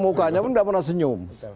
muka pun nggak pernah senyum